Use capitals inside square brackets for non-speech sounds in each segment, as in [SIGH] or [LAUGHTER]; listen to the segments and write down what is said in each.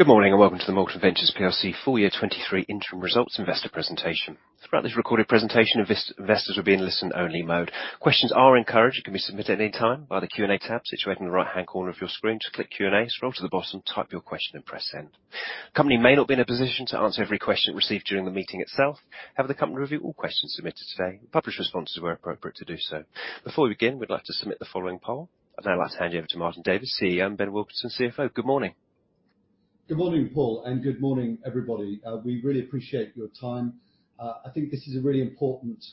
Good morning and welcome to the Molten Ventures PLC Full Year 2023 Interim Results Investor Presentation. Throughout this recorded presentation, investors will be in listen-only mode. Questions are encouraged and can be submitted at any time by the Q&A tab situated in the right-hand corner of your screen. Just click Q&A, scroll to the bottom, type your question, and press Send. The company may not be in a position to answer every question received during the meeting itself. The company will review all questions submitted today and publish responses where appropriate to do so. Before we begin, we'd like to submit the following poll. I'd now like to hand you over to Martin Davis, CEO, and Ben Wilkinson, CFO. Good morning. Good morning, Paul, and good morning, everybody. We really appreciate your time. I think this is a really important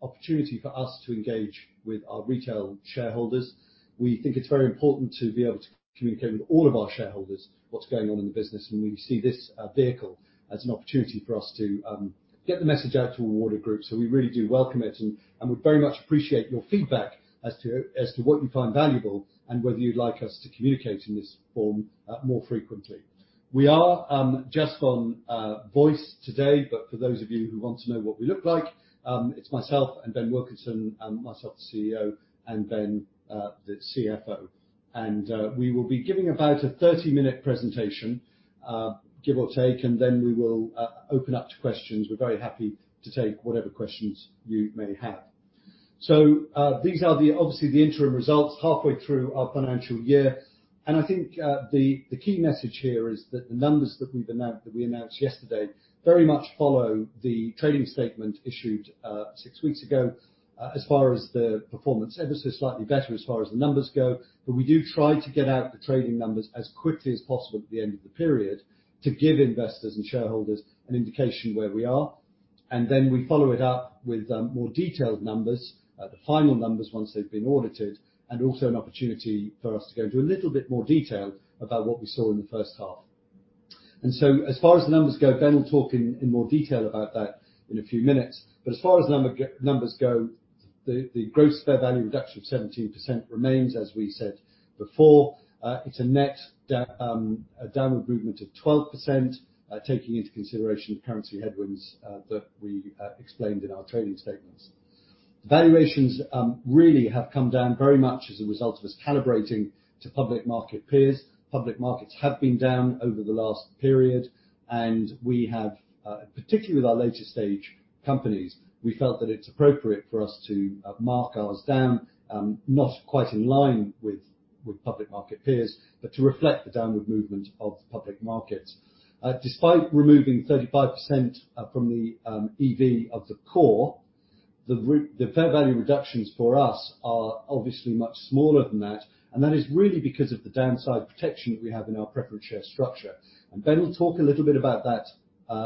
opportunity for us to engage with our retail shareholders. We think it's very important to be able to communicate with all of our shareholders what's going on in the business. We see this vehicle as an opportunity for us to get the message out to a wider group, so we really do welcome it and would very much appreciate your feedback as to what you find valuable and whether you'd like us to communicate in this form more frequently. We are just on voice today, but for those of you who want to know what we look like, it's myself and Ben Wilkinson, myself, the CEO, and Ben, the CFO. We will be giving about a 30-minute presentation, give or take, and then we will open up to questions. We're very happy to take whatever questions you may have. These are the obviously the interim results halfway through our financial year, and I think, the key message here is that the numbers that we've announced, that we announced yesterday very much follow the trading statement issued six weeks ago as far as the performance. Ever so slightly better as far as the numbers go, but we do try to get out the trading numbers as quickly as possible at the end of the period to give investors and shareholders an indication where we are. We follow it up with more detailed numbers, the final numbers once they've been audited, and also an opportunity for us to go into a little bit more detail about what we saw in the first half. As far as the numbers go, Ben will talk in more detail about that in a few minutes, but as far as the numbers go, the gross fair value reduction of 17% remains, as we said before. It's a net down, a downward movement of 12%, taking into consideration the currency headwinds that we explained in our trading statements. The valuations really have come down very much as a result of us calibrating to public market peers. Public markets have been down over the last period, we have, particularly with our later stage companies, we felt that it's appropriate for us to mark ours down, not quite in line with public market peers, but to reflect the downward movement of the public markets. Despite removing 35% from the EV of the core, the fair value reductions for us are obviously much smaller than that is really because of the downside protection that we have in our preference share structure. Ben will talk a little bit about that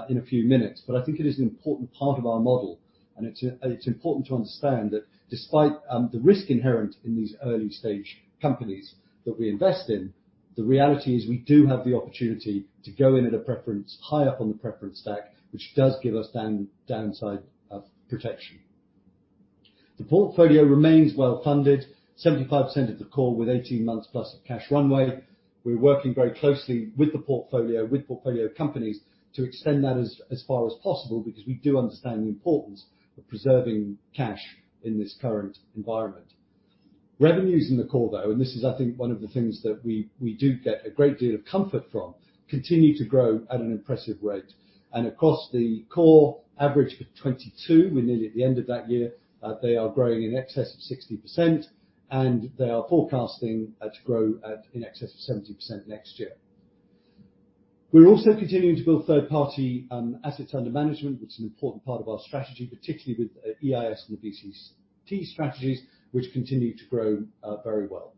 in a few minutes, I think it is an important part of our model. It's important to understand that despite the risk inherent in these early stage companies that we invest in, the reality is we do have the opportunity to go in at a preference high up on the preference stack, which does give us downside protection. The portfolio remains well-funded, 75% of the core with 18 months plus of cash runway. We're working very closely with the portfolio companies to extend that as far as possible because we do understand the importance of preserving cash in this current environment. Revenues in the core, though, this is, I think, one of the things that we do get a great deal of comfort from, continue to grow at an impressive rate. Across the core average for 2022, we're nearly at the end of that year, they are growing in excess of 60%, and they are forecasting to grow at in excess of 70% next year. We're also continuing to build third-party assets under management, which is an important part of our strategy, particularly with EIS and the VCT strategies, which continue to grow very well.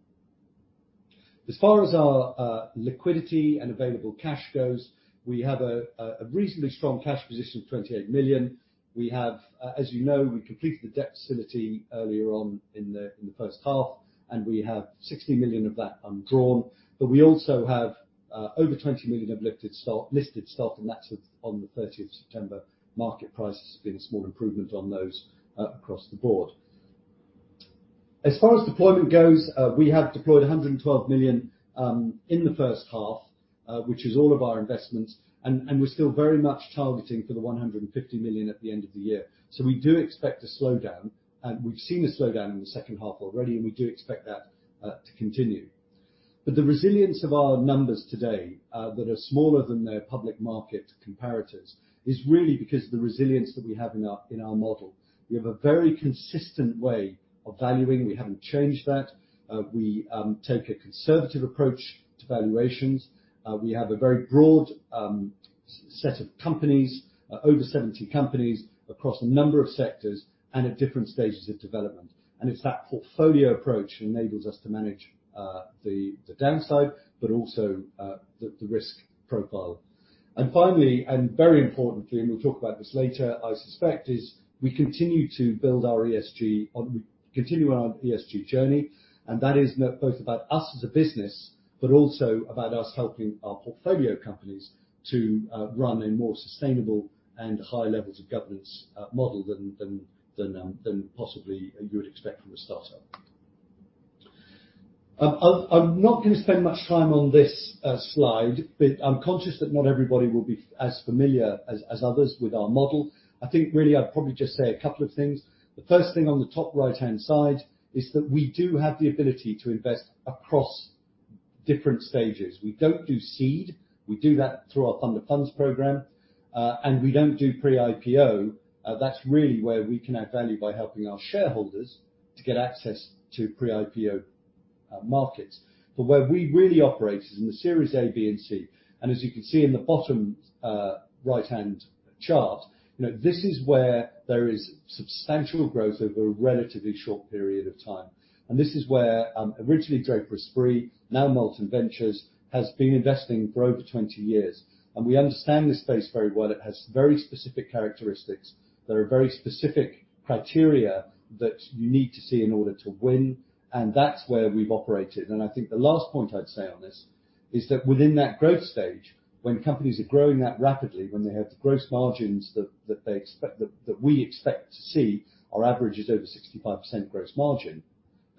As far as our liquidity and available cash goes, we have a recently strong cash position of 28 million. We have, as you know, we completed the debt facility earlier on in the first half, and we have 60 million of that undrawn. We also have over 20 million of listed stock, and that's as on the 30th of September. Market price has been a small improvement on those across the board. As far as deployment goes, we have deployed 112 million in the first half, which is all of our investments, and we're still very much targeting for 150 million at the end of the year. We do expect a slowdown, and we've seen a slowdown in the second half already, and we do expect that to continue. The resilience of our numbers today that are smaller than their public market comparatives is really because of the resilience that we have in our model. We have a very consistent way of valuing. We haven't changed that. We take a conservative approach to valuations. We have a very broad set of companies, over 70 companies across a number of sectors and at different stages of development. It's that portfolio approach that enables us to manage the downside, but also the risk profile. Finally, and very importantly, and we'll talk about this later, I suspect, we continue our ESG journey, and that is both about us as a business, but also about us helping our portfolio companies to run a more sustainable and high levels of governance model than possibly you would expect from a starter. I'm not gonna spend much time on this slide, but I'm conscious that not everybody will be as familiar as others with our model. I think really I'd probably just say a couple of things. The first thing on the top right-hand side is that we do have the ability to invest across different stages. We don't do seed. We do that through our fund of funds program. We don't do pre-IPO. That's really where we can add value by helping our shareholders to get access to pre-IPO markets. Where we really operate is in the Series A, B, and C. As you can see in the bottom right-hand chart, you know, this is where there is substantial growth over a relatively short period of time. This is where, originally Draper Esprit, now Molten Ventures, has been investing for over 20 years. We understand this space very well. It has very specific characteristics. There are very specific criteria that you need to see in order to win, and that's where we've operated. I think the last point I'd say on this is that within that growth stage, when companies are growing that rapidly, when they have the gross margins that they expect that we expect to see, our average is over 65% gross margin,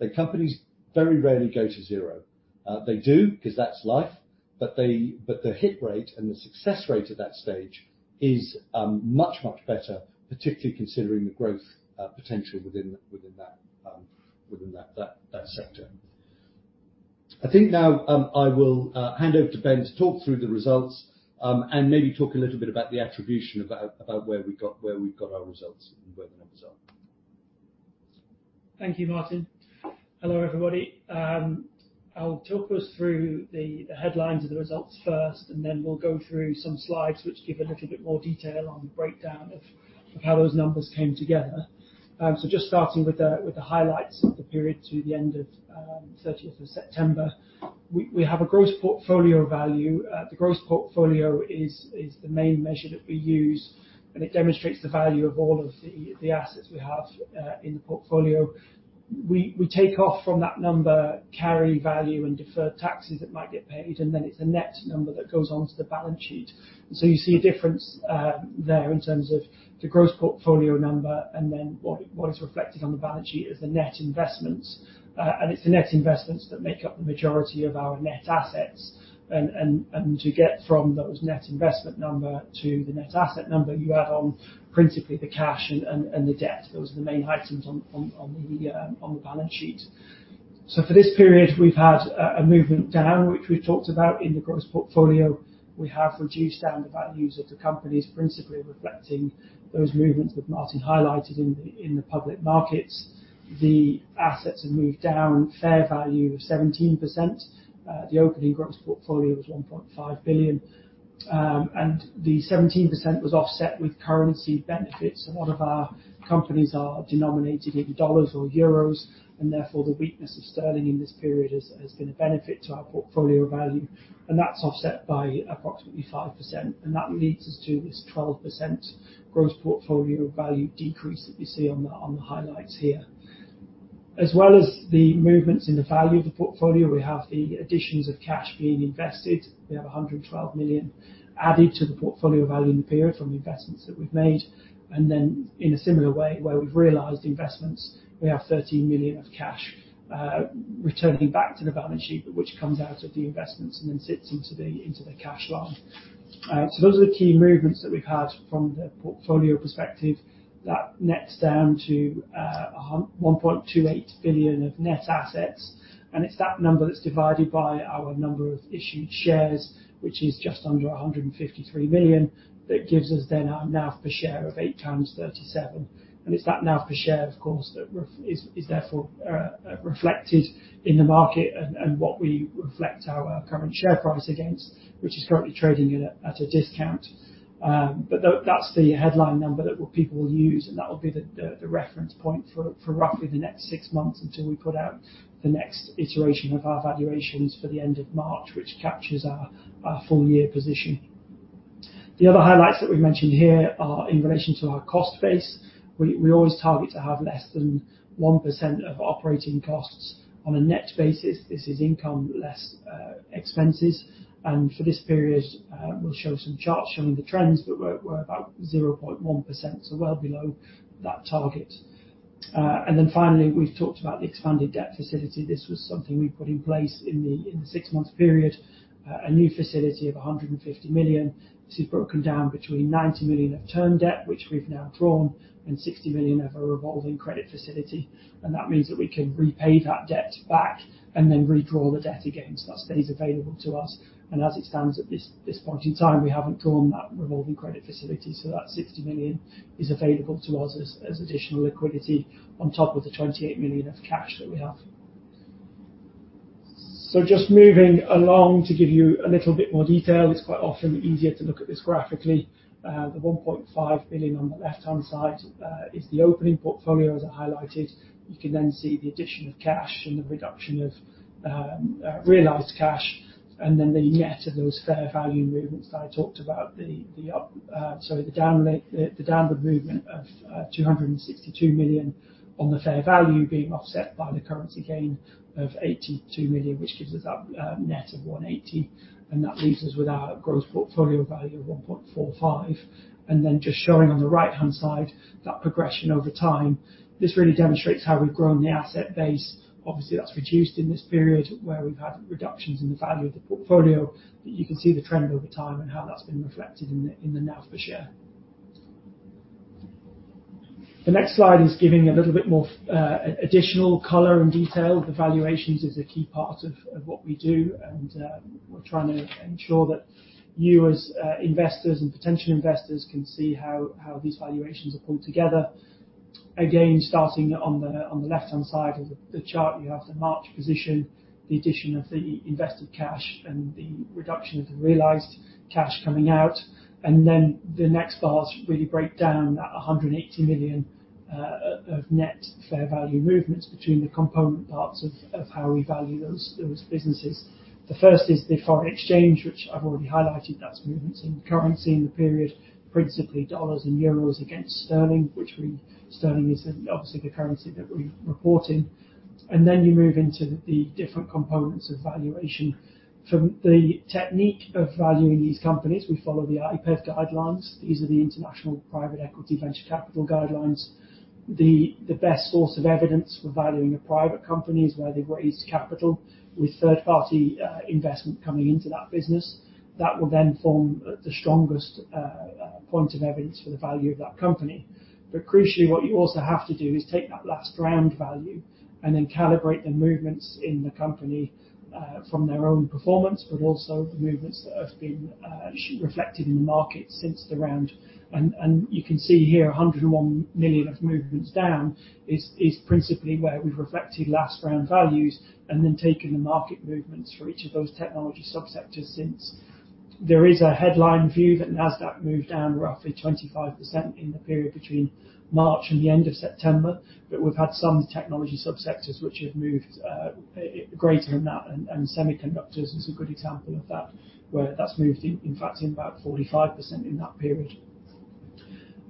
the companies very rarely go to zero. They do, because that's life, but they, but the hit rate and the success rate at that stage is much, much better, particularly considering the growth potential within that sector. I think now, I will hand over to Ben to talk through the results, and maybe talk a little bit about the attribution about where we've got our results and where the numbers are. Thank you, Martin. Hello, everybody. I'll talk us through the headlines of the results first, and then we'll go through some slides which give a little bit more detail on the breakdown of how those numbers came together. So just starting with the highlights of the period to the end of 30th of September. We have a gross portfolio value. The gross portfolio is the main measure that we use, and it demonstrates the value of all of the assets we have in the portfolio. We take off from that number carry value and deferred taxes that might get paid, and then it's a net number that goes on to the balance sheet. You see a difference there in terms of the gross portfolio number and then what is reflected on the balance sheet as the net investments. It's the net investments that make up the majority of our net assets. To get from those net investment number to the net asset number, you add on principally the cash and the debt. Those are the main items on the balance sheet. For this period, we've had a movement down, which we've talked about in the gross portfolio. We have reduced down the values of the companies, principally reflecting those movements that Martin highlighted in the public markets. The assets have moved down fair value of 17%. The opening gross portfolio was 1.5 billion. The 17% was offset with currency benefits. A lot of our companies are denominated in dollars or euros, therefore, the weakness of sterling in this period has been a benefit to our portfolio value, and that's offset by approximately 5%. That leads us to this 12% gross portfolio value decrease that you see on the highlights here. As well as the movements in the value of the portfolio, we have the additions of cash being invested. We have 112 million added to the portfolio value in the period from investments that we've made. In a similar way, where we've realized investments, we have 13 million of cash returning back to the balance sheet, which comes out of the investments and sits into the cash line. Those are the key movements that we've had from the portfolio perspective. That nets down to 1.28 billion of net assets. It's that number that's divided by our number of issued shares, which is just under 153 million. That gives us our NAV per share of 837p. It's that NAV per share, of course, that is therefore reflected in the market and what we reflect our current share price against, which is currently trading at a discount. That's the headline number that people will use, and that will be the reference point for roughly the next six months until we put out the next iteration of our valuations for the end of March, which captures our full year position. The other highlights that we've mentioned here are in relation to our cost base. We always target to have less than 1% of operating costs on a net basis. This is income less expenses. For this period, we'll show some charts showing the trends, but we're about 0.1%, so well below that target. Finally, we've talked about the expanded debt facility. This was something we put in place in the six-month period, a new facility of 150 million. This is broken down between 90 million of term debt, which we've now drawn, and 60 million of a revolving credit facility. That means that we can repay that debt back and then redraw the debt again, so that stays available to us. As it stands at this point in time, we haven't drawn that revolving credit facility, so that 60 million is available to us as additional liquidity on top of the 28 million of cash that we have. Just moving along to give you a little bit more detail. It's quite often easier to look at this graphically. The 1.5 billion on the left-hand side is the opening portfolio, as I highlighted. You can then see the addition of cash and the reduction of realized cash and then the net of those fair value movements that I talked about, the up. Sorry, the downward movement of 262 million on the fair value being offset by the currency gain of 82 million, which gives us that net of 180 million, and that leaves us with our gross portfolio value of 1.45 billion. Then just showing on the right-hand side that progression over time. This really demonstrates how we've grown the asset base. Obviously, that's reduced in this period where we've had reductions in the value of the portfolio. You can see the trend over time and how that's been reflected in the NAV per share. The next slide is giving a little bit more additional color and detail. The valuations is a key part of what we do. We're trying to ensure that you as investors and potential investors can see how these valuations are pulled together. Again, starting on the left-hand side of the chart, you have the March position, the addition of the invested cash and the reduction of the realized cash coming out. The next bars really break down that 180 million of net fair value movements between the component parts of how we value those businesses. The first is the foreign exchange, which I've already highlighted. That's movements in currency in the period, principally USD and EUR against Sterling, which Sterling is obviously the currency that we report in. You move into the different components of valuation. From the technique of valuing these companies, we follow the IPEV Guidelines. These are the International Private Equity and Venture Capital Valuation Guidelines. The best source of evidence for valuing a private company is where they've raised capital with third-party investment coming into that business. That will then form the strongest point of evidence for the value of that company. Crucially, what you also have to do is take that last round value and then calibrate the movements in the company from their own performance, but also the movements that have been reflected in the market since the round. You can see here, 101 million of movements down is principally where we've reflected last round values and then taken the market movements for each of those technology subsectors since. There is a headline view that Nasdaq moved down roughly 25% in the period between March and the end of September, but we've had some technology subsectors which have moved greater than that, and semiconductors is a good example of that, where that's moved in fact in about 45% in that period.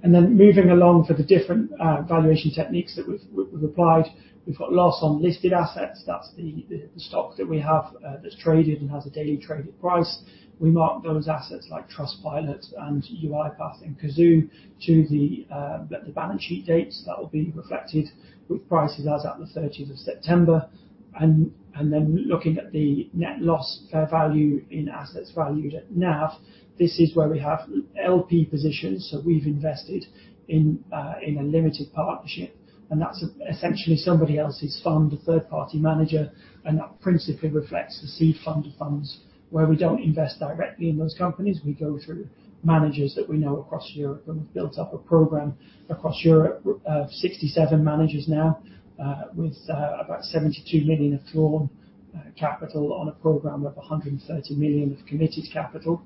Moving along for the different valuation techniques that we've applied, we've got loss on listed assets. That's the stock that we have that's traded and has a daily traded price. We mark those assets like Trustpilot and UiPath and Cazoo to the balance sheet dates that will be reflected with prices as at the 30th of September. Then looking at the net loss fair value in assets valued at NAV, this is where we have LP positions, so we've invested in a limited partnership, and that's essentially somebody else's fund, a third-party manager. That principally reflects the seed fund of funds where we don't invest directly in those companies. We go through managers that we know across Europe, and we've built up a program across Europe of 67 managers now, with about 72 million of drawn capital on a program of 130 million of committed capital.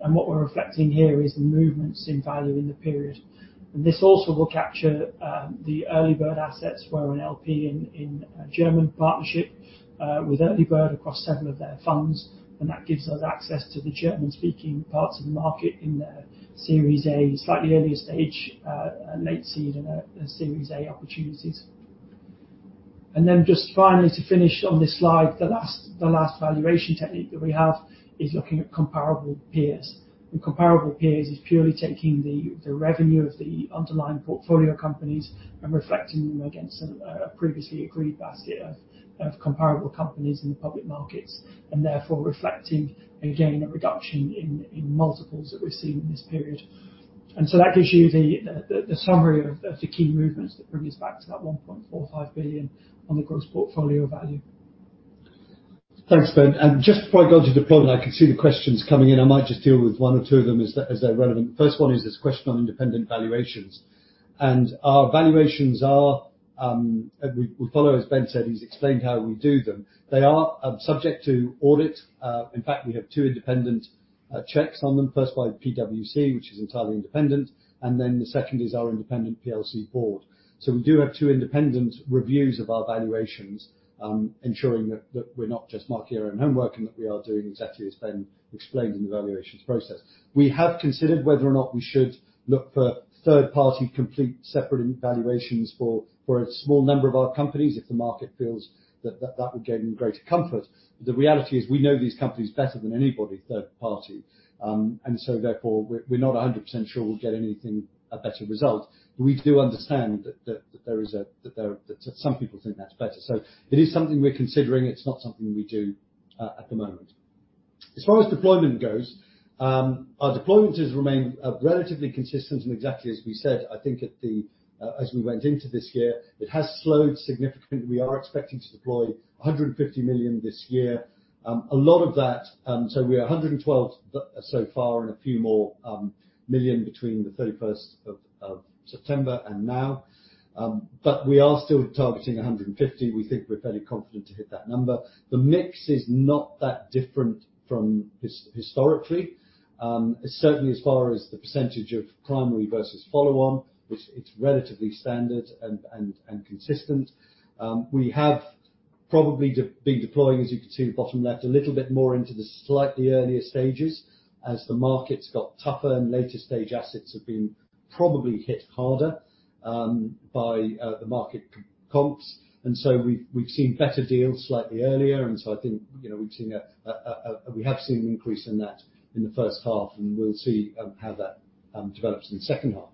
What we're reflecting here is the movements in value in the period. This also will capture the Earlybird assets where an LP in a German partnership with Earlybird across several of their funds, and that gives us access to the German-speaking parts of the market in their Series A, slightly earlier stage, late seed and Series A opportunities. Then just finally, to finish on this slide, the last valuation technique that we have is looking at comparable peers. Comparable peers is purely taking the revenue of the underlying portfolio companies and reflecting them against a previously agreed basket of comparable companies in the public markets, and therefore reflecting, again, a reduction in multiples that we're seeing in this period. That gives you the summary of the key movements that bring us back to that 1.45 billion on the gross portfolio value. Thanks, Ben. Just before I go into deployment, I can see the questions coming in. I might just deal with one or two of them as they're relevant. First one is this question on independent valuations. Our valuations are. We follow, as Ben said, he's explained how we do them. They are subject to audit. In fact, we have two independent checks on them. First by PwC, which is entirely independent, and then the second is our independent PLC board. We do have two independent reviews of our valuations, ensuring that we're not just marking our own homework and that we are doing exactly as Ben explained in the valuations process. We have considered whether or not we should look for third-party complete separate valuations for a small number of our companies if the market feels that would gain greater comfort. The reality is we know these companies better than anybody third party. Therefore, we're not 100% sure we'll get anything, a better result. We do understand that some people think that's better. It is something we're considering. It's not something we do at the moment. As far as deployment goes, our deployment has remained relatively consistent and exactly as we said, I think at the as we went into this year. It has slowed significantly. We are expecting to deploy 150 million this year. A lot of that, we are 112 million so far and a few more million between the 31st of September and now. We are still targeting 150 million. We think we're fairly confident to hit that number. The mix is not that different from historically. Certainly as far as the percentage of primary versus follow-on, it's relatively standard and consistent. We have probably been deploying, as you can see in the bottom left, a little bit more into the slightly earlier stages as the market's got tougher and later stage assets have been probably hit harder by the market comps. We've seen better deals slightly earlier. I think, you know, we have seen an increase in that in the first half, and we'll see how that develops in the second half.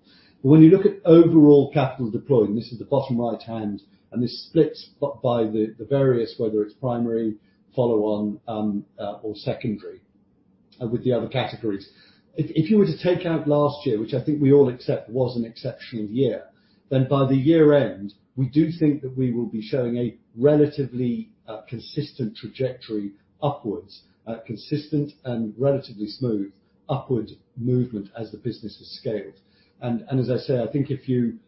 But when you look at overall capital deployed, and this is the bottom right-hand, and this is split by the various, whether it's primary, follow-on, or secondary, with the other categories. If you were to take out last year, which I think we all accept was an exceptional year, then by the year end, we do think that we will be showing a relatively consistent trajectory upwards, consistent and relatively smooth upward movement as the business has scaled. As I say, I think if you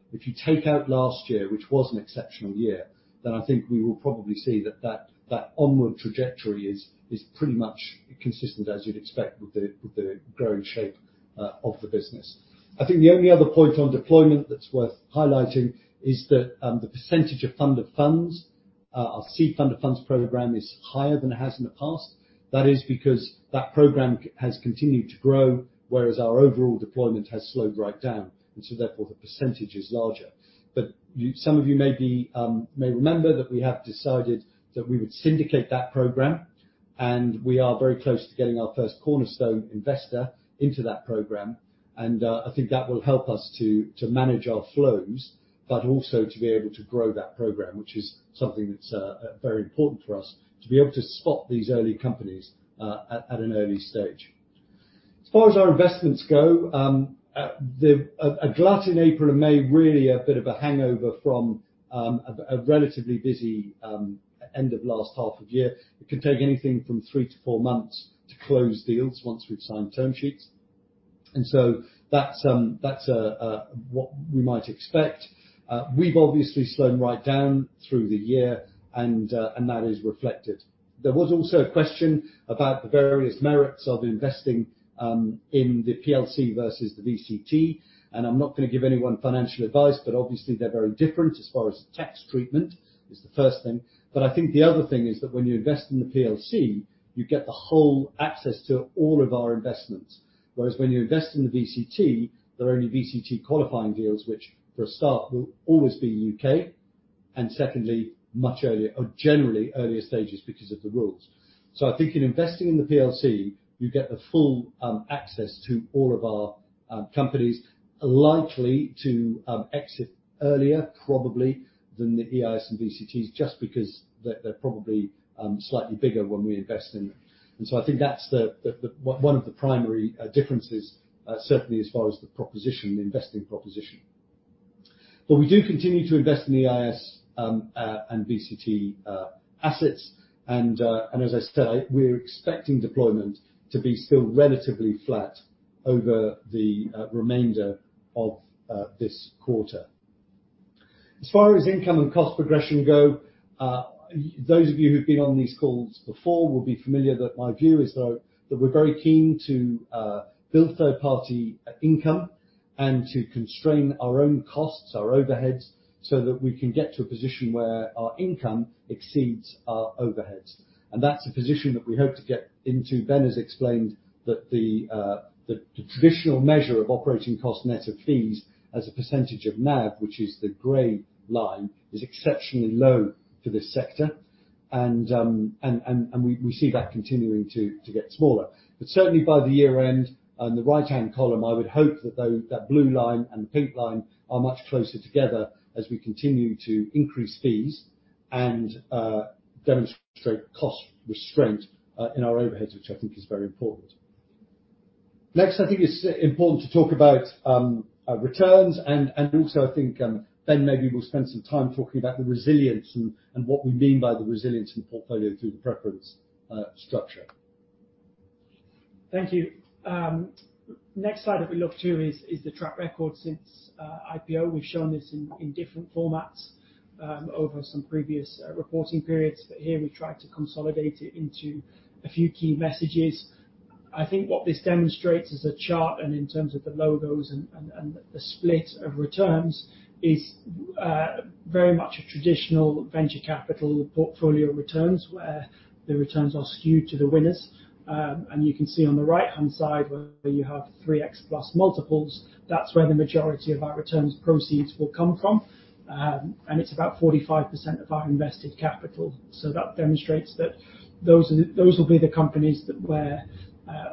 take out last year, which was an exceptional year, I think we will probably see that onward trajectory is pretty much consistent as you'd expect with the growing shape of the business. I think the only other point on deployment that's worth highlighting is that the percentage of funded funds, our seed fund of funds program is higher than it has in the past. That is because that program has continued to grow, whereas our overall deployment has slowed right down, so therefore, the percentage is larger. Some of you may be, may remember that we have decided that we would syndicate that program. We are very close to getting our first cornerstone investor into that program. I think that will help us to manage our flows, but also to be able to grow that program, which is something that's very important for us to be able to spot these early companies at an early stage. As far as our investments go, a glut in April and May really a bit of a hangover from a relatively busy end of last half of year. It can take anything from three or four months to close deals once we've signed term sheets. That's what we might expect. We've obviously slowed right down through the year, and that is reflected. There was also a question about the various merits of investing in the PLC versus the VCT. I'm not gonna give anyone financial advice, but obviously they're very different as far as tax treatment is the first thing. I think the other thing is that when you invest in the PLC, you get the whole access to all of our investments. Whereas when you invest in the VCT, there are only VCT qualifying deals, which for a start, will always be U.K., and secondly, much earlier or generally earlier stages because of the rules. I think in investing in the PLC, you get the full access to all of our companies likely to exit earlier probably than the EIS and VCTs, just because they're probably slightly bigger when we invest in. I think that's one of the primary differences certainly as far as the proposition, the investing proposition. We do continue to invest in the EIS and VCT assets. As I say, we're expecting deployment to be still relatively flat over the remainder of this quarter. As far as income and cost progression go, those of you who've been on these calls before will be familiar that my view is, though, that we're very keen to build third-party income and to constrain our own costs, our overheads, so that we can get to a position where our income exceeds our overheads. That's a position that we hope to get into. Ben has explained that the traditional measure of operating cost net of fees as a percentage of NAV, which is the gray line, is exceptionally low for this sector. We see that continuing to get smaller. Certainly, by the year end, on the right-hand column, I would hope that though, that blue line and pink line are much closer together as we continue to increase fees and demonstrate cost restraint in our overheads, which I think is very important. Next, I think it's important to talk about returns and also I think Ben maybe will spend some time talking about the resilience and what we mean by the resilience in portfolio through the preference structure. Thank you. Next slide that we look to is the track record since IPO. We've shown this in different formats over some previous reporting periods. Here we've tried to consolidate it into a few key messages. I think what this demonstrates as a chart and in terms of the logos and the split of returns is very much a traditional venture capital portfolio returns, where the returns are skewed to the winners. You can see on the right-hand side where you have 3x plus multiples, that's where the majority of our returns proceeds will come from. It's about 45% of our invested capital. That demonstrates that those are those will be the companies that where,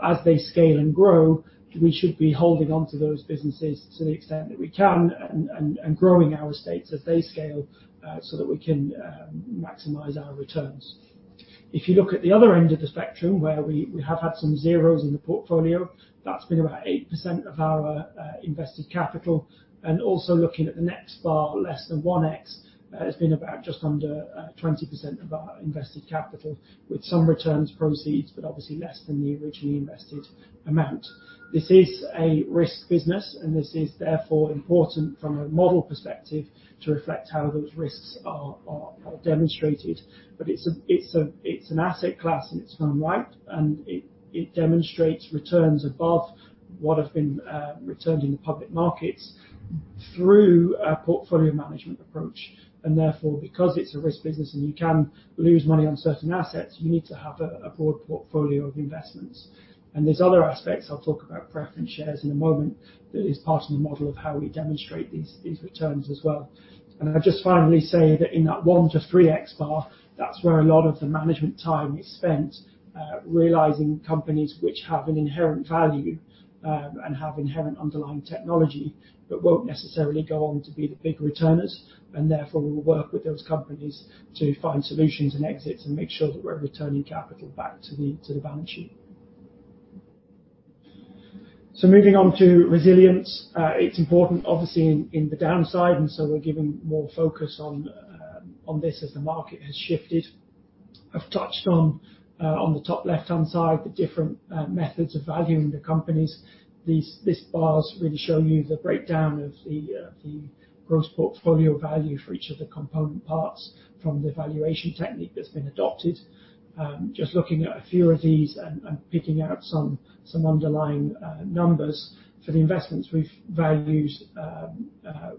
as they scale and grow, we should be holding onto those businesses to the extent that we can and growing our stakes as they scale, so that we can maximize our returns. If you look at the other end of the spectrum, where we have had some zeros in the portfolio, that's been about 8% of our invested capital. Also looking at the next bar, less than 1x, has been about just under 20% of our invested capital, with some returns proceeds, but obviously less than the originally invested amount. This is a risk business. This is therefore important from a model perspective to reflect how those risks are demonstrated. It's an asset class in its own right, and it demonstrates returns above what have been returned in the public markets through a portfolio management approach. Therefore, because it's a risk business and you can lose money on certain assets, you need to have a broad portfolio of investments. There's other aspects, I'll talk about preference shares in a moment, that is part of the model of how we demonstrate these returns as well. I'll just finally say that in that 1x to 3x, that's where a lot of the management time is spent realizing companies which have an inherent value, and have inherent underlying technology, but won't necessarily go on to be the big returners. Therefore, we'll work with those companies to find solutions and exits and make sure that we're returning capital back to the, to the balance sheet. Moving on to resilience, it's important obviously in the downside, and so we're giving more focus on this as the market has shifted. I've touched on the top left-hand side, the different methods of valuing the companies. These bars really show you the breakdown of the gross portfolio value for each of the component parts from the valuation technique that's been adopted. Just looking at a few of these and picking out some underlying numbers for the investments we've valued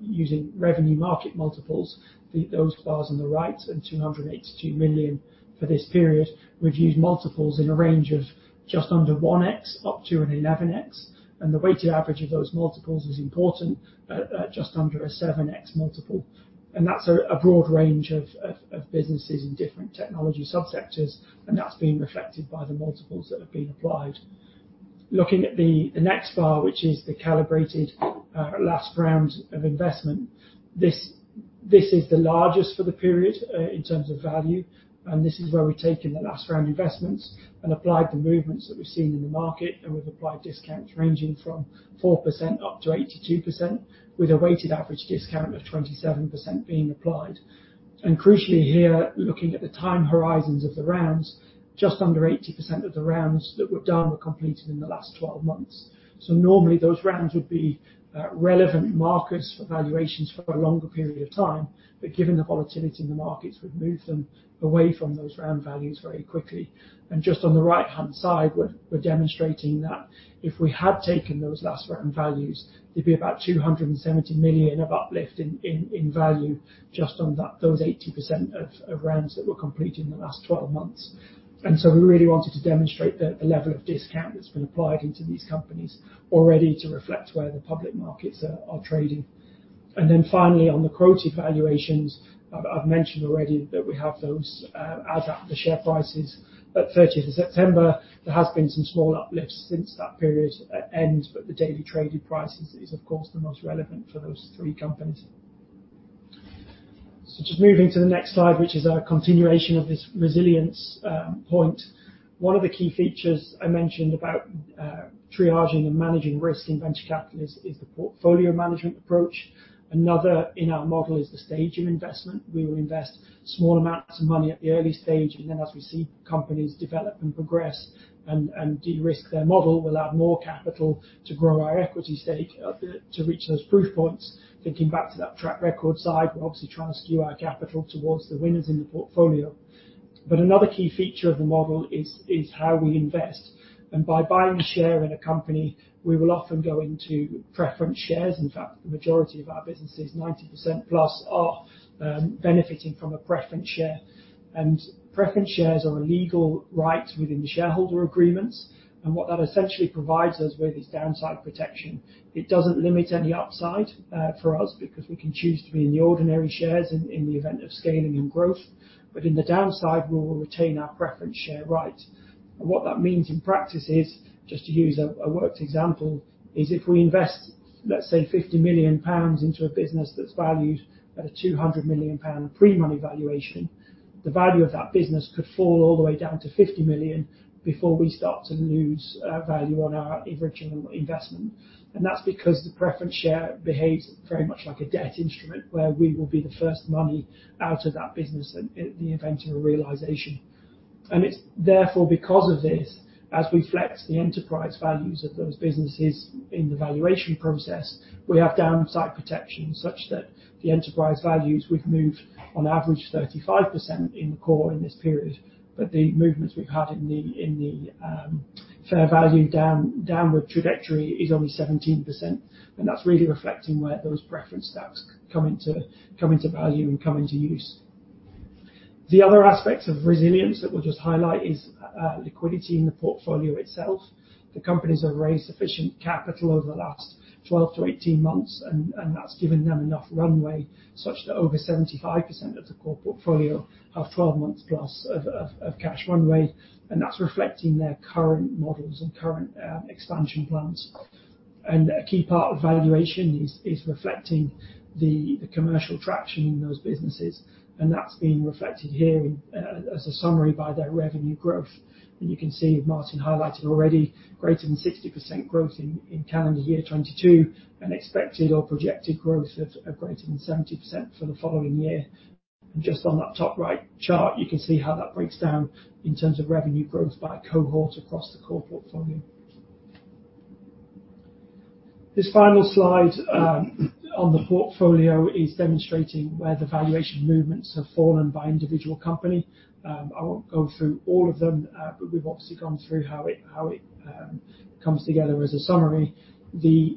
using revenue market multiples. Those bars on the right and 282 million for this period. We've used multiples in a range of just under 1x up to an 11x, the weighted average of those multiples is important, at just under a 7x multiple. That's a broad range of businesses in different technology subsectors, that's being reflected by the multiples that have been applied. Looking at the next bar, which is the calibrated last round of investment, this is the largest for the period in terms of value, this is where we've taken the last round investments and applied the movements that we've seen in the market, we've applied discounts ranging from 4% up to 82%, with a weighted average discount of 27% being applied. Crucially here, looking at the time horizons of the rounds, just under 80% of the rounds that were done were completed in the last 12 months. Normally, those rounds would be relevant markers for valuations for a longer period of time, but given the volatility in the markets, we've moved them away from those round values very quickly. Just on the right-hand side, we're demonstrating that if we had taken those last round values, there'd be about 270 million of uplift in value just on that, those 80% of rounds that were completed in the last 12 months. We really wanted to demonstrate the level of discount that's been applied into these companies already to reflect where the public markets are trading. Finally, on the quoted valuations, I've mentioned already that we have those as at the share prices at 30th of September. There has been some small uplifts since that period end, the daily traded prices is of course the most relevant for those three companies. Just moving to the next slide, which is a continuation of this resilience point. One of the key features I mentioned about triaging and managing risk in venture capital is the portfolio management approach. Another in our model is the stage of investment. We will invest small amounts of money at the early stage, as we see companies develop and progress and de-risk their model, we'll add more capital to grow our equity stake to reach those proof points. Thinking back to that track record side, we're obviously trying to skew our capital towards the winners in the portfolio. Another key feature of the model is how we invest. By buying a share in a company, we will often go into preference shares. In fact, the majority of our businesses, 90% plus are benefiting from a preference share. Preference shares are a legal right within the shareholder agreements. What that essentially provides us with is downside protection. It doesn't limit any upside for us because we can choose to be in the ordinary shares in the event of scaling and growth. In the downside, we will retain our preference share right. What that means in practice is, just to use a worked example, is if we invest, let's say 50 million pounds into a business that's valued at a 200 million pound pre-money valuation, the value of that business could fall all the way down to 50 million before we start to lose value on our original investment. That's because the preference share behaves very much like a debt instrument, where we will be the first money out of that business in the event of a realization. It's therefore because of this, as we flex the enterprise values of those businesses in the valuation process, we have downside protection such that the enterprise values we've moved on average 35% in the core in this period, but the movements we've had in the fair value downward trajectory is only 17%. That's really reflecting where those preference shares come into value and come into use. The other aspects of resilience that we'll just highlight is liquidity in the portfolio itself. The companies have raised sufficient capital over the last 12 to 18 months, and that's given them enough runway such that over 75% of the core portfolio have 12 plus months of cash runway, and that's reflecting their current models and current expansion plans. A key part of valuation is reflecting the commercial traction in those businesses, and that's being reflected here in as a summary by their revenue growth. You can see Martin highlighted already greater than 60% growth in calendar year 2022, an expected or projected growth of greater than 70% for the following year. Just on that top right chart, you can see how that breaks down in terms of revenue growth by cohort across the core portfolio. This final slide on the portfolio is demonstrating where the valuation movements have fallen by individual company. I won't go through all of them, but we've obviously gone through how it comes together as a summary. The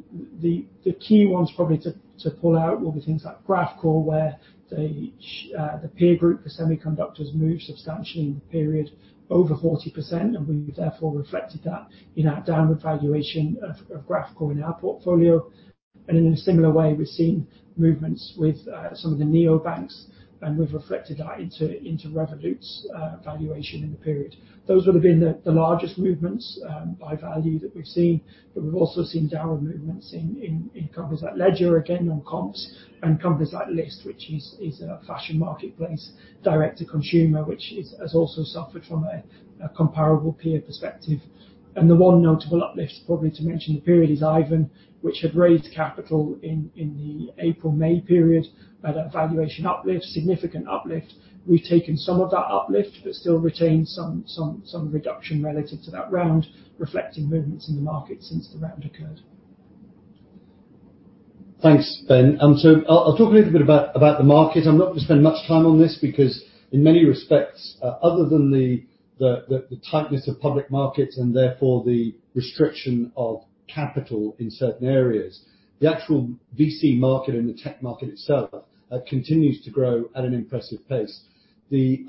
key ones probably to pull out will be things like Graphcore, where the peer group for semiconductors moved substantially in the period over 40%, and we've therefore reflected that in our downward valuation of Graphcore in our portfolio. In a similar way, we've seen movements with some of the neobanks, and we've reflected that into Revolut's valuation in the period. Those would have been the largest movements by value that we've seen. We've also seen downward movements in companies like Ledger, again on comps, and companies like Lyst, which is a fashion marketplace direct to consumer, which has also suffered from a comparable peer perspective. The one notable uplift, probably to mention the period is Aiven, which had raised capital in the April, May period at a valuation uplift, significant uplift. We've taken some of that uplift but still retained some reduction relative to that round, reflecting movements in the market since the round occurred. Thanks, Ben. I'll talk a little bit about the market. I'm not gonna spend much time on this because in many respects, other than the tightness of public markets and therefore the restriction of capital in certain areas, the actual VC market and the tech market itself continues to grow at an impressive pace. The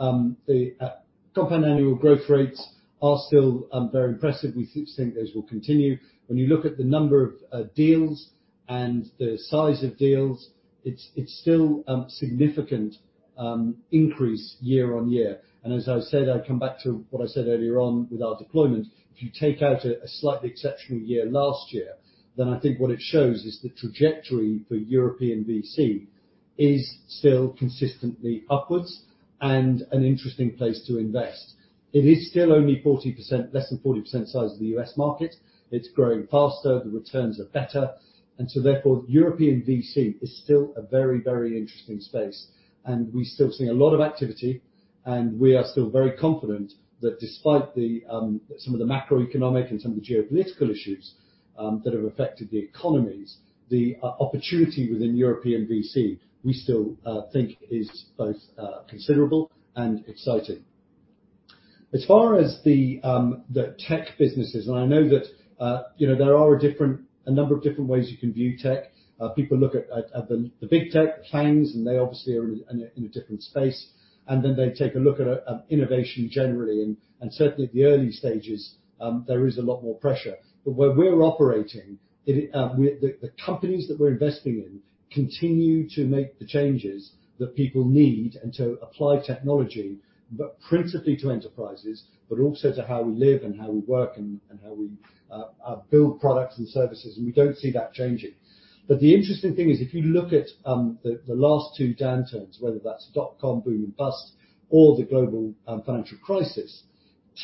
compound annual growth rates are still very impressive. We think those will continue. When you look at the number of deals and the size of deals, it's still significant increase year-on-year. As I said, I come back to what I said earlier on with our deployment. If you take out a slightly exceptional year last year, I think what it shows is the trajectory for European VC is still consistently upwards and an interesting place to invest. It is still only 40%, less than 40% size of the U.S. market. It's growing faster, the returns are better, therefore, European VC is still a very, very interesting space. We still see a lot of activity, and we are still very confident that despite the some of the macroeconomic and some of the geopolitical issues that have affected the economies, the opportunity within European VC, we still think is both considerable and exciting. As far as the tech businesses, I know that, you know, there are a number of different ways you can view tech. People look at the big tech, the FANGs, and they obviously are in a different space. They take a look at innovation generally and certainly at the early stages, there is a lot more pressure. Where we're operating, The companies that we're investing in continue to make the changes that people need and to apply technology, but principally to enterprises, but also to how we live and how we work and how we build products and services, and we don't see that changing. The interesting thing is, if you look at the last two downturns, whether that's dotcom boom and bust or the global financial crisis,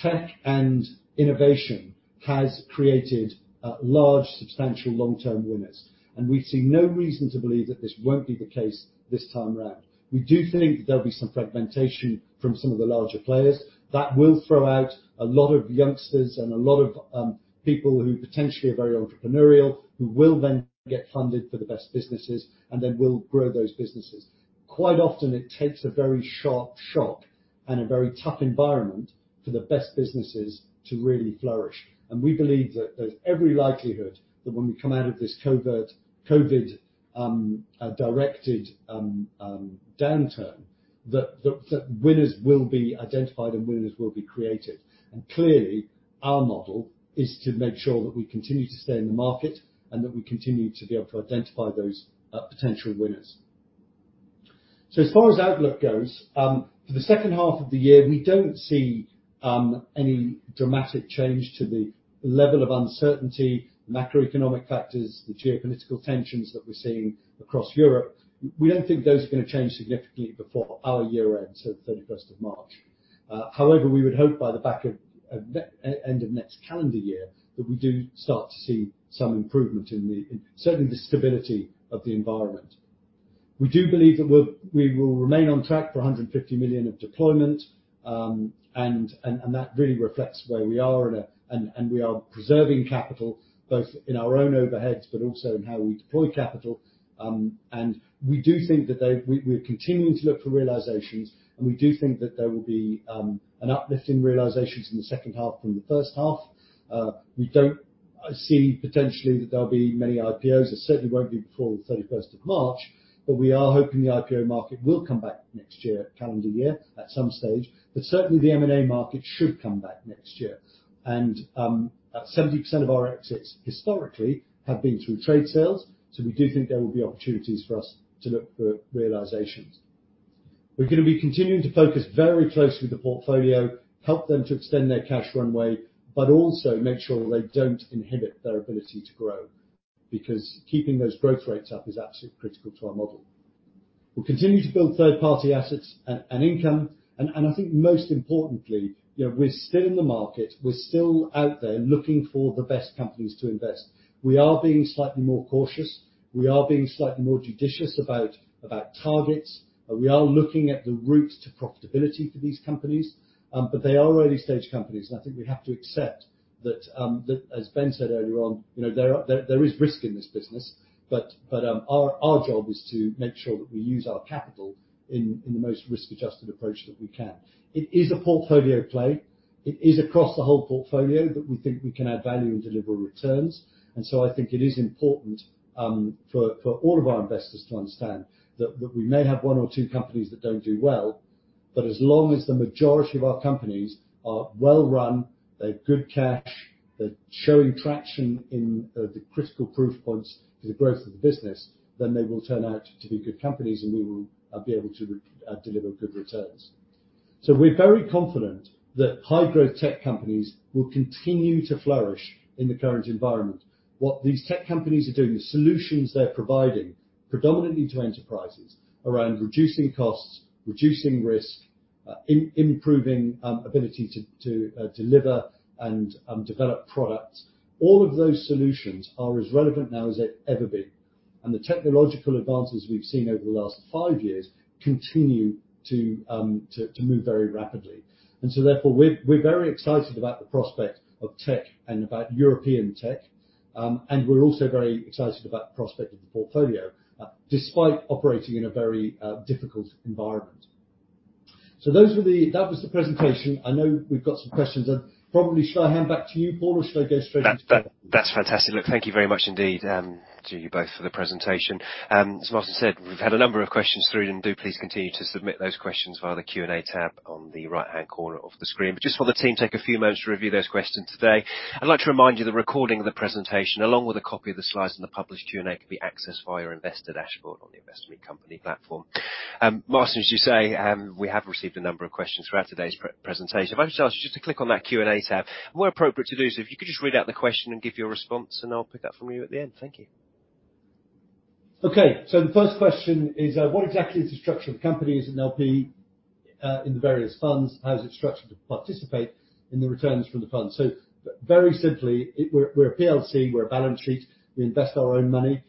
tech and innovation has created large, substantial long-term winners. We see no reason to believe that this won't be the case this time around. We do think there'll be some fragmentation from some of the larger players that will throw out a lot of youngsters and a lot of people who potentially are very entrepreneurial, who will then get funded for the best businesses and then will grow those businesses. Quite often it takes a very sharp shock and a very tough environment for the best businesses to really flourish. We believe that there's every likelihood that when we come out of this COVID directed downturn, that winners will be identified and winners will be created. Clearly, our model is to make sure that we continue to stay in the market and that we continue to be able to identify those potential winners. As far as outlook goes, for the second half of the year, we don't see any dramatic change to the level of uncertainty, macroeconomic factors, the geopolitical tensions that we're seeing across Europe. We don't think those are gonna change significantly before our year end, so 31st of March. However, we would hope by the back of end of next calendar year, that we do start to see some improvement in the, certainly the stability of the environment. We do believe that we will remain on track for 150 million of deployment. That really reflects where we are and we are preserving capital both in our own overheads, but also in how we deploy capital. We do think that they we're continuing to look for realizations, and we do think that there will be an uplift in realizations in the second half from the first half. We don't see potentially that there'll be many IPOs. There certainly won't be before the 31st of March. We are hoping the IPO market will come back next year, calendar year, at some stage. Certainly the M&A market should come back next year. 70% of our exits historically have been through trade sales, so we do think there will be opportunities for us to look for realizations. We're gonna be continuing to focus very closely with the portfolio, help them to extend their cash runway, but also make sure they don't inhibit their ability to grow, because keeping those growth rates up is absolutely critical to our model. We'll continue to build third-party assets and income, and I think most importantly, you know, we're still in the market, we're still out there looking for the best companies to invest. We are being slightly more cautious. We are being slightly more judicious about targets. We are looking at the route to profitability for these companies. But they are early stage companies. I think we have to accept that as Ben said earlier on, you know, there is risk in this business, but our job is to make sure that we use our capital in the most risk-adjusted approach that we can. It is a portfolio play. It is across the whole portfolio that we think we can add value and deliver returns. I think it is important, for all of our investors to understand that we may have one or two companies that don't do well, but as long as the majority of our companies are well run, they have good cash, they're showing traction in the critical proof points for the growth of the business, then they will turn out to be good companies and we will be able to deliver good returns. We're very confident that high-growth tech companies will continue to flourish in the current environment. What these tech companies are doing, the solutions they're providing predominantly to enterprises around reducing costs, reducing risk, improving ability to deliver and develop products. All of those solutions are as relevant now as they've ever been. The technological advances we've seen over the last five years continue to move very rapidly. Therefore, we're very excited about the prospect of tech and about European tech. We're also very excited about the prospect of the portfolio, despite operating in a very difficult environment. That was the presentation. I know we've got some questions. Probably should I hand back to you, Paul, or should I go straight to... That's fantastic. Look, thank you very much indeed, to you both for the presentation. As Martin said, we've had a number of questions through, and do please continue to submit those questions via the Q&A tab on the right-hand corner of the screen. Just for the team, take a few moments to review those questions today. I'd like to remind you the recording of the presentation, along with a copy of the slides and the published Q&A, can be accessed via your investor dashboard on the investing company platform. Martin, as you say, we have received a number of questions throughout today's pre-presentation. If I just ask you just to click on that Q&A tab. More appropriate to do so, if you could just read out the question and give your response, and I'll pick up from you at the end. Thank you. The first question is, what exactly is the structure of companies in LP, in the various funds? How is it structured to participate in the returns from the funds? Very simply, we're a PLC, we're a balance sheet. We invest our own money.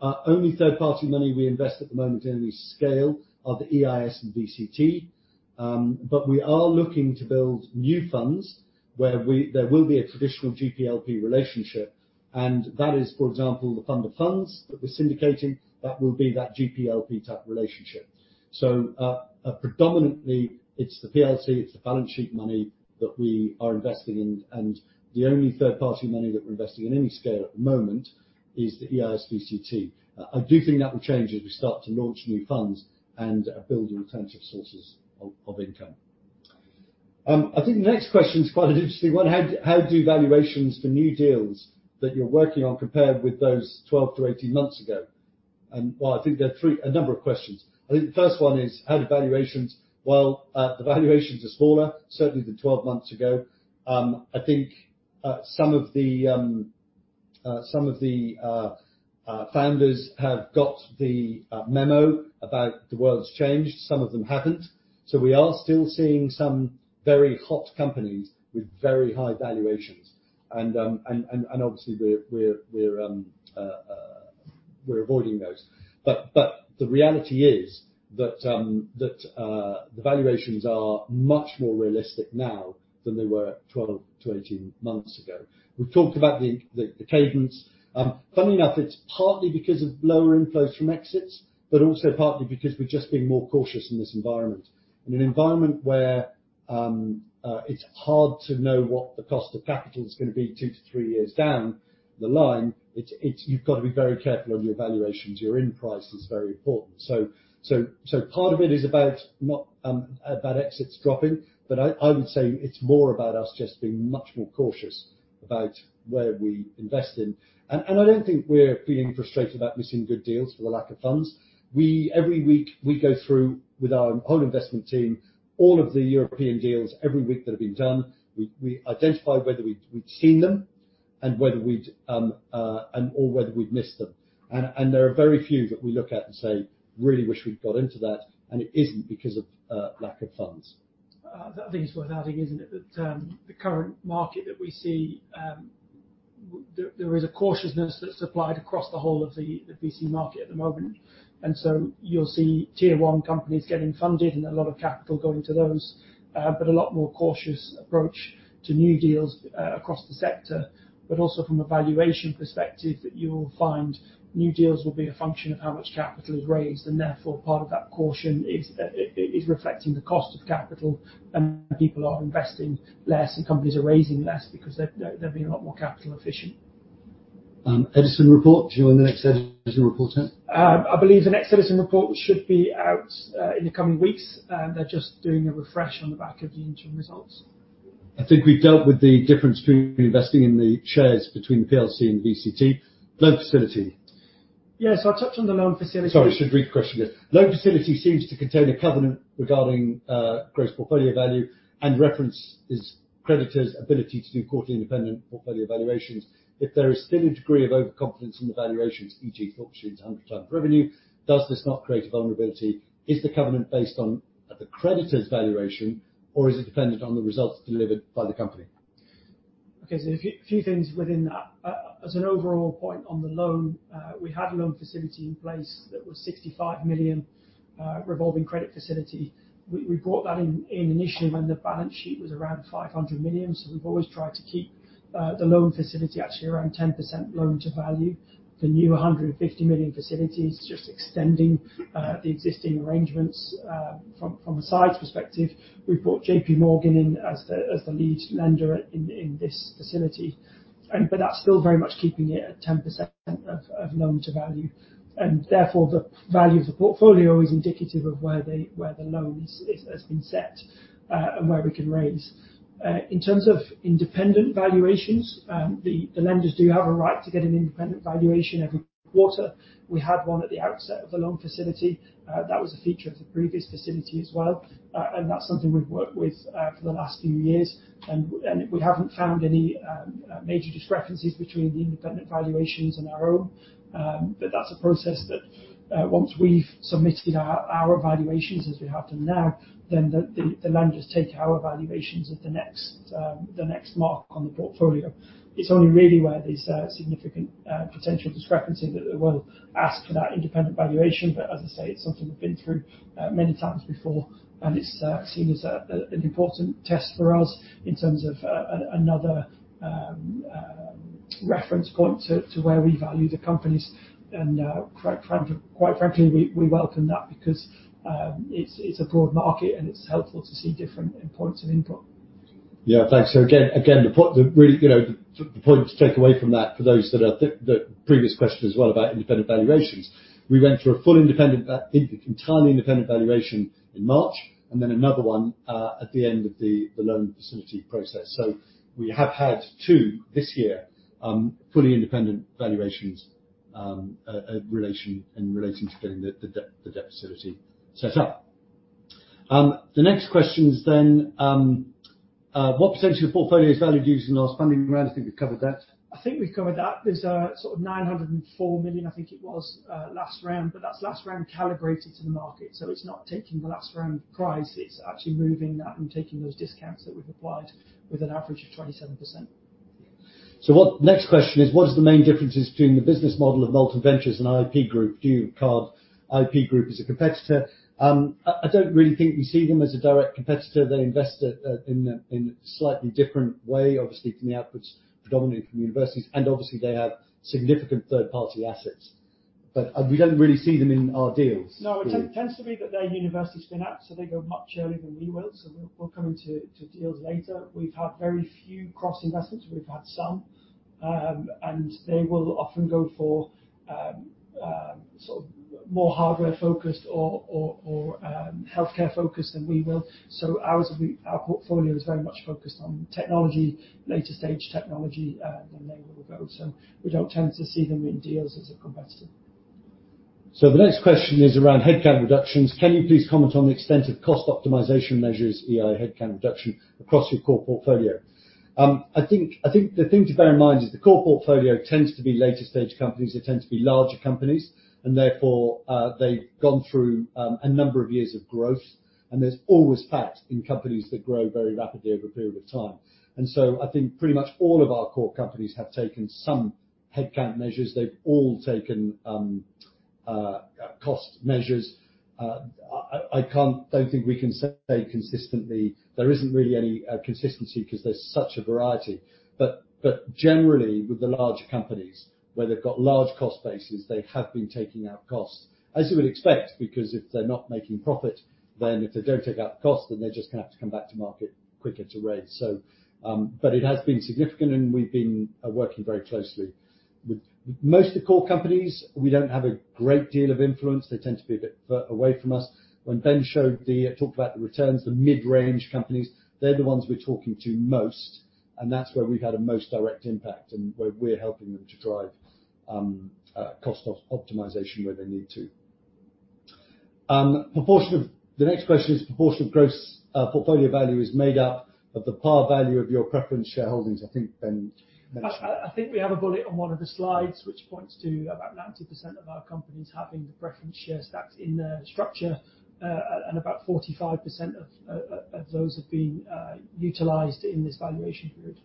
Only third-party money we invest at the moment in the scale are the EIS and VCT. But we are looking to build new funds where there will be a traditional GPLP relationship, and that is, for example, the fund of funds that we're syndicating, that will be that GPLP type relationship. Predominantly it's the PLC, it's the balance sheet money that we are investing in, and the only third-party money that we're investing in any scale at the moment is the EIS VCT. I do think that will change as we start to launch new funds and build alternative sources of income. I think the next question is quite an interesting one. How do valuations for new deals that you're working on compare with those 12 to 18 months ago? I think there are a number of questions. I think the first one is, the valuations are smaller, certainly than 12 months ago. I think some of the founders have got the memo about the world's changed, some of them haven't. We are still seeing some very hot companies with very high valuations. Obviously we're avoiding those. The reality is that the valuations are much more realistic now than they were 12 to 18 months ago. We've talked about the cadence. Funny enough, it's partly because of lower inflows from exits, but also partly because we're just being more cautious in this environment. In an environment where it's hard to know what the cost of capital is gonna be two to three years down the line, you've got to be very careful on your valuations. Your end price is very important. Part of it is about not about exits dropping, but I would say it's more about us just being much more cautious about where we invest in. I don't think we're feeling frustrated about missing good deals for the lack of funds. Every week, we go through with our whole investment team, all of the European deals every week that have been done. We identify whether we've seen them or whether we'd missed them. There are very few that we look at and say, "Really wish we'd got into that," and it isn't because of lack of funds. That is worth adding, isn't it? That the current market that we see, there is a cautiousness that's applied across the whole of the VC market at the moment. You'll see tier one companies getting funded and a lot of capital going to those, but a lot more cautious approach to new deals across the sector. From a valuation perspective that you'll find new deals will be a function of how much capital is raised, part of that caution is reflecting the cost of capital and people are investing less and companies are raising less because they're being a lot more capital efficient. Edison report. Do you know when the next Edison report is? I believe the next Edison report should be out in the coming weeks. They're just doing a refresh on the back of the interim results. I think we've dealt with the difference between investing in the shares between the PLC and VCT. Loan facility. Yes. I touched on the loan facility. Sorry. Should read the question again. Loan facility seems to contain a covenant regarding gross portfolio value and references creditor's ability to do quarterly independent portfolio valuations. If there is still a degree of overconfidence in the valuations, e.g., fortune to [INAUDIBLE] revenue, does this not create a vulnerability? Is the covenant based on the creditor's valuation, or is it dependent on the results delivered by the company? Okay. A few things within that. As an overall point on the loan, we had a loan facility in place that was 65 million revolving credit facility. We brought that in initially when the balance sheet was around 500 million. We've always tried to keep the loan facility actually around 10% loan to value. The new 150 million facility is just extending the existing arrangements. From a size perspective, we've brought JPMorgan in as the lead lender in this facility. That's still very much keeping it at 10% of loan to value. Therefore, the value of the portfolio is indicative of where the loan has been set and where we can raise. In terms of independent valuations, the lenders do have a right to get an independent valuation every quarter. We had one at the outset of the loan facility. That was a feature of the previous facility as well. That's something we've worked with for the last few years. We haven't found any major discrepancies between the independent valuations and our own. That's a process that once we've submitted our valuations as we have done now, then the lenders take our valuations at the next mark on the portfolio. It's only really where there's a significant potential discrepancy that they will ask for that independent valuation. As I say, it's something we've been through many times before, and it's seen as an important test for us in terms of another reference point to where we value the companies. Quite frankly, we welcome that because it's a broad market and it's helpful to see different endpoints of input. Yeah. Thanks. Again, the point, the really, the point to take away from that for those that are the previous question as well about independent valuations, we went through a full independent entirely independent valuation in March, and then another one at the end of the loan facility process. We have had two this year, fully independent valuations, in relating to getting the debt, the debt facility set up. The next question is, what percent of your portfolio is valued using the last funding round? I think we've covered that. I think we've covered that. There's sort of 904 million, I think it was, last round, but that's last round calibrated to the market, so it's not taking the last round price. It's actually moving that and taking those discounts that we've applied with an average of 27%. Next question is, what is the main differences between the business model of Molten Ventures and IP Group? Do you regard IP Group as a competitor? I don't really think we see them as a direct competitor. They invest at, in a, in a slightly different way, obviously from the outputs, predominantly from universities, and obviously they have significant third-party assets. We don't really see them in our deals. It tends to be that they're university spin-out, they go much earlier than we will. We'll come into deals later. We've had very few cross investments. We've had some, they will often go for sort of more hardware-focused or healthcare-focused than we will. Our portfolio is very much focused on technology, later stage technology than they will go. We don't tend to see them in deals as a competitor. The next question is around headcount reductions. Can you please comment on the extent of cost optimization measures, EO headcount reduction across your core portfolio? I think the thing to bear in mind is the core portfolio tends to be later stage companies. They tend to be larger companies and therefore, they've gone through a number of years of growth, and there's always fat in companies that grow very rapidly over a period of time. I think pretty much all of our core companies have taken some headcount measures. They've all taken cost measures. I can't don't think we can say consistently. There isn't really any consistency 'cause there's such a variety. Generally with the larger companies where they've got large cost bases, they have been taking out costs, as you would expect, because if they're not making profit, then if they don't take out cost, then they're just going to have to come back to market quicker to raise. It has been significant and we've been working very closely with most of the core companies, we don't have a great deal of influence. They tend to be a bit away from us. When Ben talked about the returns, the mid-range companies, they're the ones we're talking to most, and that's where we've had a most direct impact and where we're helping them to drive cost optimization where they need to. Proportion of the next question is, proportion of gross portfolio value is made up of the par value of your preference shareholdings. I think Ben mentioned. I think we have a bullet on one of the slides, which points to about 90% of our companies having the preference shares stacked in their structure. About 45% of those have been utilized in this valuation period.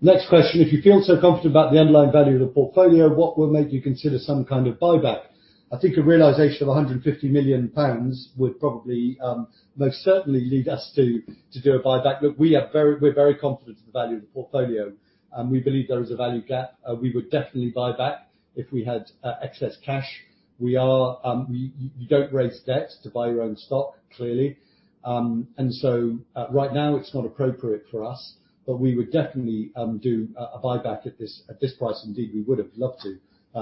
Next question, if you feel so confident about the underlying value of the portfolio, what will make you consider some kind of buyback? I think a realization of 150 million pounds would probably most certainly lead us to do a buyback. Look, we're very confident in the value of the portfolio, and we believe there is a value gap. We would definitely buy back if we had excess cash. We are, you don't raise debt to buy your own stock, clearly. Right now it's not appropriate for us, but we would definitely do a buyback at this price. Indeed, we would have loved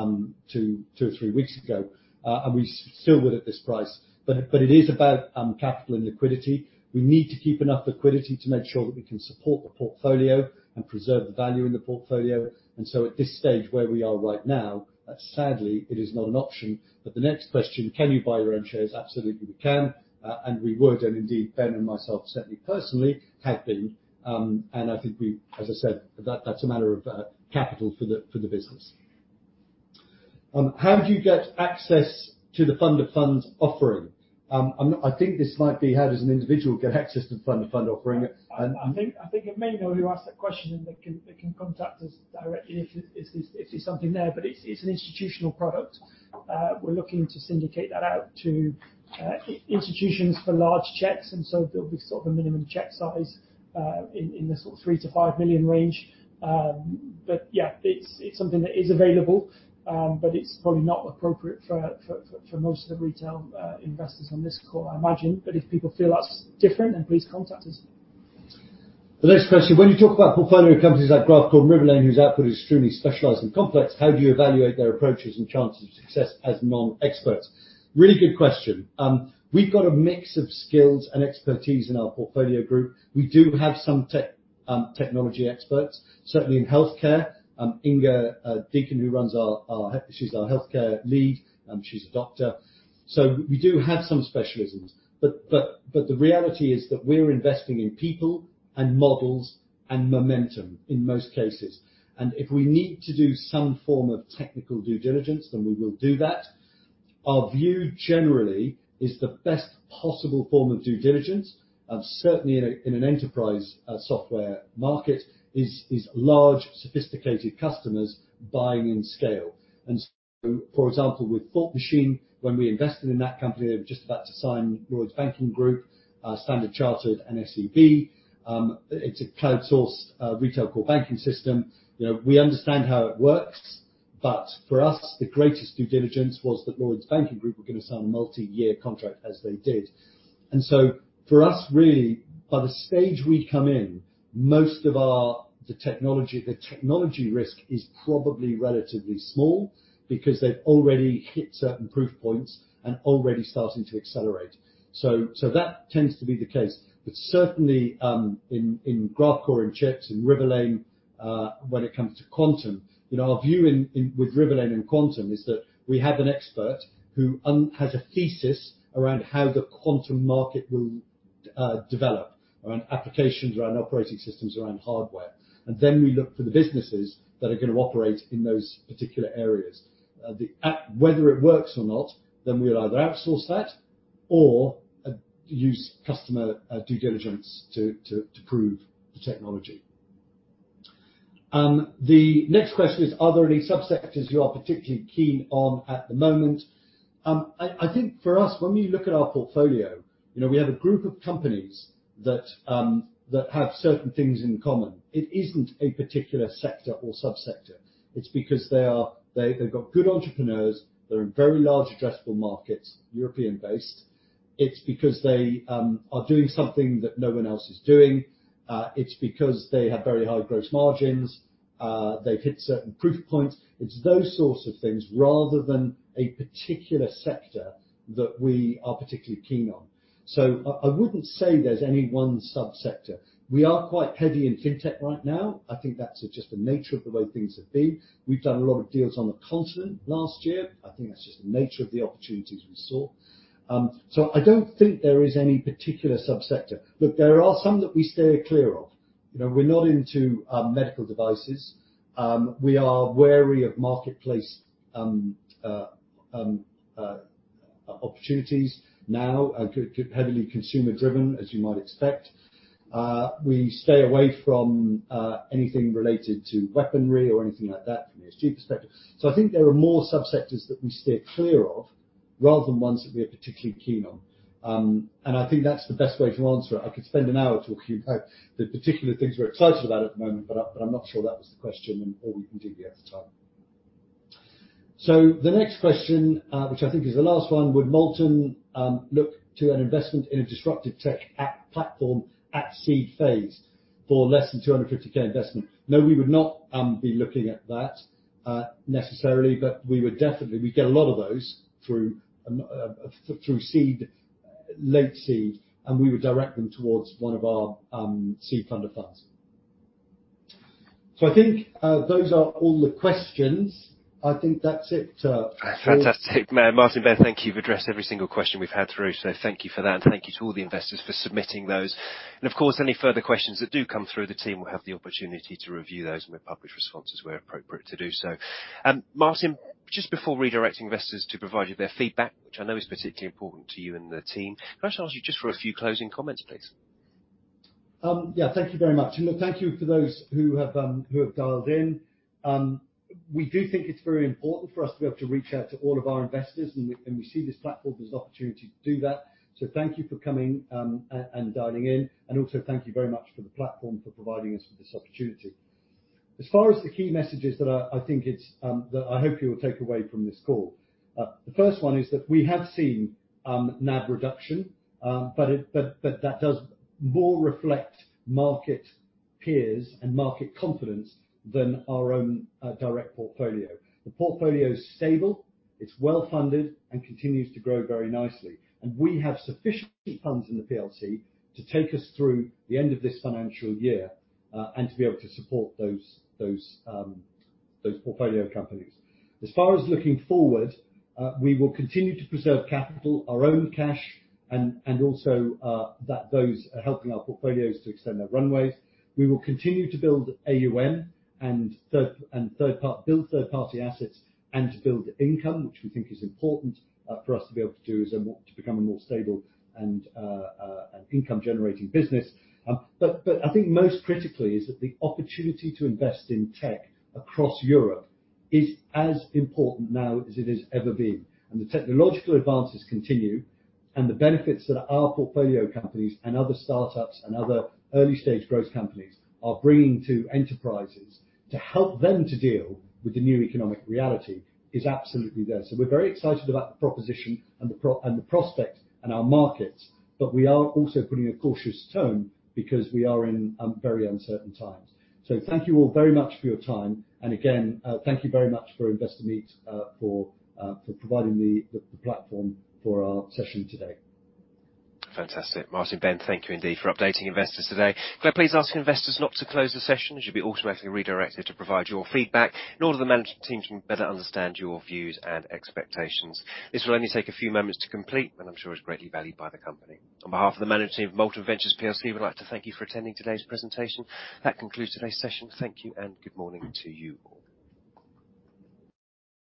to, two or three weeks ago, and we still would at this price. It is about capital and liquidity. We need to keep enough liquidity to make sure that we can support the portfolio and preserve the value in the portfolio. At this stage, where we are right now, sadly it is not an option. The next question, can you buy your own shares? Absolutely, we can. And we would, and indeed, Ben and myself, certainly personally, have been. And I think we, as I said, that's a matter of capital for the business. How do you get access to the fund of funds offering? I'm, I think this might be how does an individual get access to fund of fund offering? I think it may know who asked that question, and they can contact us directly if it's something there, but it's an institutional product. We're looking to syndicate that out to institutions for large checks, there'll be sort of a minimum check size in the sort of 3 million to 5 million range. Yeah, it's something that is available, it's probably not appropriate for most of the retail investors on this call, I imagine. If people feel that's different, please contact us. The next question, when you talk about portfolio companies like Graphcore and Riverlane, whose output is extremely specialized and complex, how do you evaluate their approaches and chances of success as non-experts? Really good question. We've got a mix of skills and expertise in our portfolio group. We do have some tech, technology experts, certainly in healthcare. Inga Deakin, she's our healthcare lead, she's a doctor. The reality is that we're investing in people and models and momentum in most cases. If we need to do some form of technical due diligence, then we will do that. Our view generally is the best possible form of due diligence, certainly in an enterprise software market is large sophisticated customers buying in scale. For example, with Thought Machine, when we invested in that company, they were just about to sign Lloyds Banking Group, Standard Chartered, and SEB. It's a cloud-sourced retail core banking system. You know, we understand how it works. For us, the greatest due diligence was that Lloyds Banking Group were gonna sign a multi-year contract as they did. For us, really, by the stage we come in, most of our technology risk is probably relatively small because they've already hit certain proof points and already starting to accelerate. That tends to be the case. Certainly, in Graphcore, in Chips, in Riverlane, when it comes to quantum, you know, our view in with Riverlane and Quantum is that we have an expert who has a thesis around how the quantum market will develop around applications, around operating systems, around hardware. Then we look for the businesses that are gonna operate in those particular areas. Whether it works or not, then we'll either outsource that or use customer due diligence to prove the technology. The next question is: Are there any subsectors you are particularly keen on at the moment? I think for us, when we look at our portfolio, you know, we have a group of companies that have certain things in common. It isn't a particular sector or subsector. It's because they've got good entrepreneurs that are in very large addressable markets, European-based. It's because they are doing something that no one else is doing. It's because they have very high gross margins. They've hit certain proof points. It's those sorts of things, rather than a particular sector that we are particularly keen on. I wouldn't say there's any one subsector. We are quite heavy in fintech right now. I think that's just the nature of the way things have been. We've done a lot of deals on the continent last year. I think that's just the nature of the opportunities we saw. I don't think there is any particular subsector. Look, there are some that we steer clear of. You know, we're not into medical devices. We are wary of marketplace opportunities now are heavily consumer-driven, as you might expect. We stay away from anything related to weaponry or anything like that from an ESG perspective. I think there are more subsectors that we steer clear of, rather than ones that we are particularly keen on. I think that's the best way to answer it. I could spend an hour talking about the particular things we're excited about at the moment, but I'm not sure that was the question and, or we can deviate at the time. The next question, which I think is the last one: Would Molten look to an investment in a disruptive tech app platform at seed phase for less than 250K investment? No, we would not be looking at that necessarily, but we would definitely, we get a lot of those through seed, late seed, and we would direct them towards one of our, seed fund of funds. I think, those are all the questions. I think that's it. Fantastic. Martin Davis, thank you. You've addressed every single question we've had through, so thank you for that. Thank you to all the investors for submitting those. Of course, any further questions that do come through, the team will have the opportunity to review those and we'll publish responses where appropriate to do so. Martin, just before redirecting investors to provide you their feedback, which I know is particularly important to you and the team, can I ask you just for a few closing comments, please? Yeah. Thank you very much. Thank you for those who have dialed in. We do think it's very important for us to be able to reach out to all of our investors, and we see this platform as an opportunity to do that. Thank you for coming and dialing in. Also thank you very much for the platform for providing us with this opportunity. As far as the key messages that I think it's that I hope you will take away from this call, the first one is that we have seen NAV reduction, but that does more reflect market peers and market confidence than our own direct portfolio. The portfolio is stable, it's well-funded, and continues to grow very nicely. We have sufficient funds in the PLC to take us through the end of this financial year and to be able to support those portfolio companies. As far as looking forward, we will continue to preserve capital, our own cash, and also that those are helping our portfolios to extend their runways. We will continue to build AUM and build third-party assets and to build income, which we think is important for us to be able to do to become a more stable and an income-generating business. I think most critically is that the opportunity to invest in tech across Europe is as important now as it has ever been. The technological advances continue, and the benefits that our portfolio companies and other startups and other early-stage growth companies are bringing to enterprises to help them to deal with the new economic reality is absolutely there. We're very excited about the proposition and the prospects and our markets, but we are also putting a cautious tone because we are in very uncertain times. Thank you all very much for your time. Again, thank you very much for Investor Meet for providing the platform for our session today. Fantastic. Martin, Ben, thank you indeed for updating investors today. Can I please ask investors not to close the session, as you'll be automatically redirected to provide your feedback in order for the management team to better understand your views and expectations. This will only take a few moments to complete, and I'm sure it's greatly valued by the company. On behalf of the management team of Molten Ventures plc, we'd like to thank you for attending today's presentation. That concludes today's session. Thank you and good morning to you all.